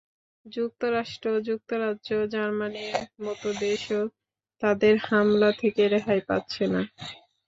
যুক্তরাষ্ট্র, যুক্তরাজ্য, জার্মানির মতো দেশও তাদের হামলা থেকে রেহাই পাচ্ছে না।